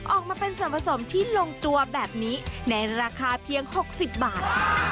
ออกมาเป็นส่วนผสมที่ลงตัวแบบนี้ในราคาเพียง๖๐บาท